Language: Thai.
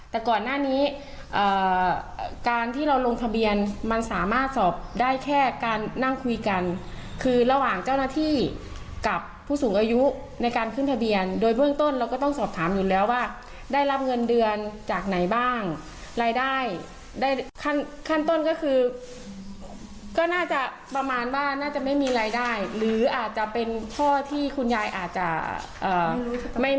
แต่ก่อนหน้านี้การที่เราลงทะเบียนมันสามารถสอบได้แค่การนั่งคุยกันคือระหว่างเจ้าหน้าที่กับผู้สูงอายุในการขึ้นทะเบียนโดยเบื้องต้นเราก็ต้องสอบถามอยู่แล้วว่าได้รับเงินเดือนจากไหนบ้างรายได้ได้ขั้นขั้นต้นก็คือก็น่าจะประมาณว่าน่าจะไม่มีรายได้หรืออาจจะเป็นพ่อที่คุณยายอาจจะเอ่อ